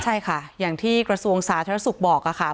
ใช่ค่ะอย่างที่กระทรวงสาธารณสุขบอกค่ะ